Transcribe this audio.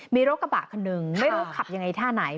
มีรถกระบะคันหนึ่งไม่รู้ขับยังไงท่าไหน